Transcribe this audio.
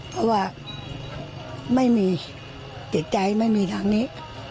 เพราะว่าไม่มีจิตใจไม่มีทางนี้